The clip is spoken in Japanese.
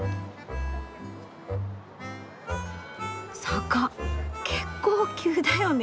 坂結構急だよね。